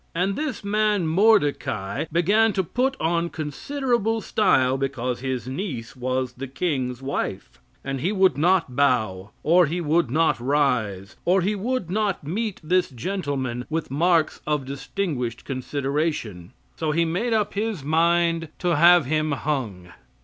And this man Mordecai began to put on considerable style because his niece was the king's wife, and he would not bow, or he would not rise, or he would not meet this gentleman with marks of distinguished consideration, so he made up his mind to have him hung.